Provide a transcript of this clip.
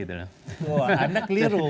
wah anak liru